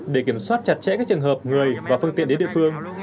để kiểm soát chặt chẽ các trường hợp người và phương tiện đến địa phương